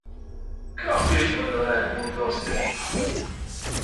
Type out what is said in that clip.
Kā, pie joda, varētu būt vēl sliktāk?